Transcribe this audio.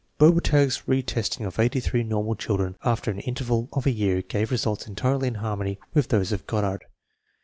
Bobertag's retesting of 83 normal children after an in terval of a year gave results entirely in harmony with those of Goddard.